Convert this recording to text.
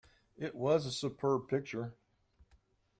It was a superb picture.